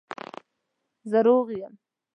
زه روغ یم